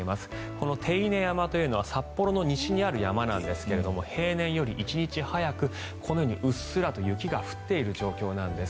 この手稲山というのは札幌の西にある山なんですが平年より１日早くこのようにうっすらと雪が降っている状況なんです。